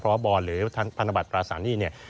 เพราะบอนหรือพันธบัตรประสานี